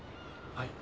はい。